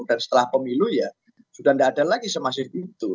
dan setelah pemilu ya sudah tidak ada lagi semasif itu